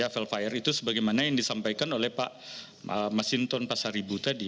velfire itu sebagaimana yang disampaikan oleh pak masinton pasaribu tadi